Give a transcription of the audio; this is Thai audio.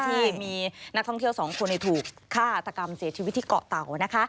ที่มีนักท่องเที่ยวสองคนถูกฆาตกรรมเสียชีวิตที่เกาะเตานะคะ